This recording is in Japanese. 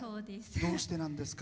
どうしてなんですか？